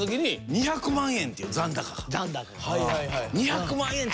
２００万円って。